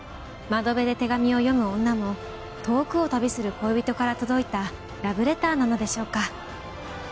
『窓辺で手紙を読む女』も遠くを旅する恋人から届いたラブレターなのでしょうか。